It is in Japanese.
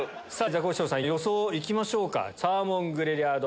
ザコシショウさん予想いきましょうか。